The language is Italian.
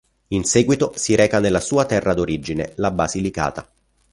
In seguito, si reca nella sua terra d'origine, la Basilicata.